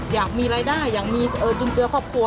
อยากมีรายได้ย้มเจื้อครอบครัว